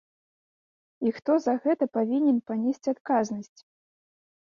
І хто за гэта павінен панесці адказнасць?